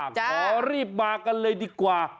ขอรีบมากันเลยดีกว่า